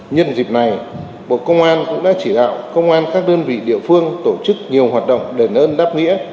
nhân dịp này bộ công an cũng đã chỉ đạo công an các đơn vị địa phương tổ chức nhiều hoạt động đền ơn đáp nghĩa